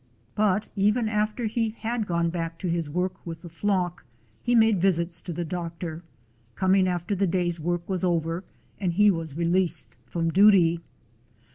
But even after he had gone back to his work with the flock, he made visits to the doctor, 129 DOG HEROES OF MANY LANDS coming after the day's work was over and he was released from duty.